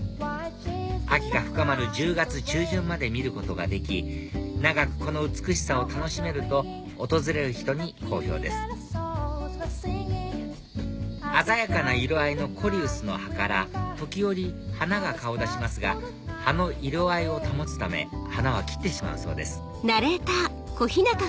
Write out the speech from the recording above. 秋が深まる１０月中旬まで見ることができ長くこの美しさを楽しめると訪れる人に好評です鮮やかな色合いのコリウスの葉から時折花が顔を出しますが葉の色合いを保つため花は切ってしまうそうです